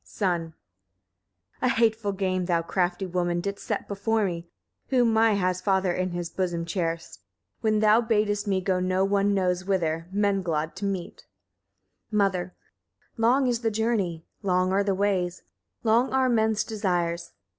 Son. 3. A hateful game thou, crafty woman, didst set before me, whom my has father in his bosom cherished, when thou badest me go no one knows whither, Menglod to meet. Mother. 4. Long is the journey, long are the ways, long are men's desires.